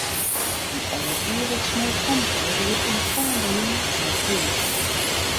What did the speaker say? In alderivichst moai famke ried yn 'e fallende jûn nei hûs.